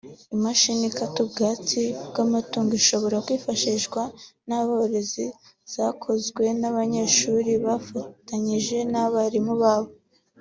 imashini ikata ubwatsi bw’amatungo ishobora kwifashishwa n’aborozi zakozwe n’abanyeshuri bafatanije n’abarimu babo